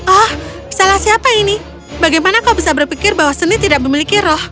oh salah siapa ini bagaimana kau bisa berpikir bahwa seni tidak memiliki roh